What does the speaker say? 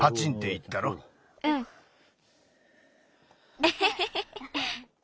フフフフ。